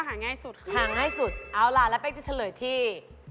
หาง่ายสุดเอาล่ะแล้วเป็นจะเฉลยที่